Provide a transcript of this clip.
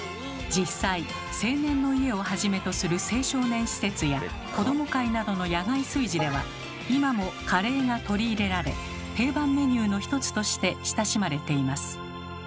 実際「青年の家」をはじめとする青少年施設や子供会などの野外炊事では今もカレーが取り入れられ定番メニューの一つとして親しまれています。